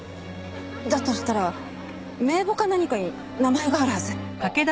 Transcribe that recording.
だとしたら名簿か何かに名前があるはず。